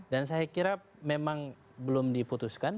dan saya kira memang belum diputuskan